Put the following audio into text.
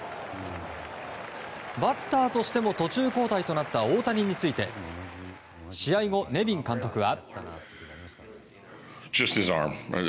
バッターとしても途中交代となった大谷について試合後、ネビン監督は。